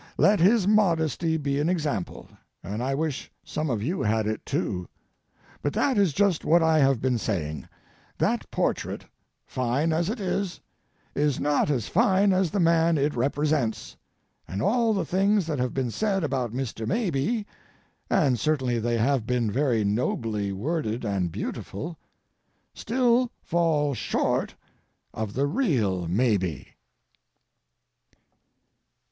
Let his modesty be an example, and I wish some of you had it, too. But that is just what I have been saying—that portrait, fine as it is, is not as fine as the man it represents, and all the things that have been said about Mr. Mabie, and certainly they have been very nobly worded and beautiful, still fall short of the real Mabie.